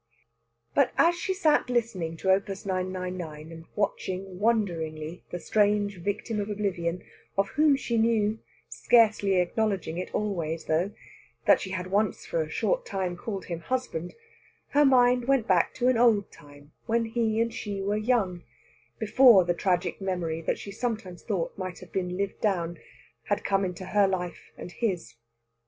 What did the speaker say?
But as she sat listening to Op. 999, and watching wonderingly the strange victim of oblivion, of whom she knew scarcely acknowledging it always, though that she had once for a short time called him husband, her mind went back to an old time when he and she were young: before the tragic memory that she sometimes thought might have been lived down had come into her life and his.